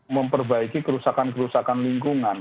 memperbaiki kerusakan kerusakan lingkungan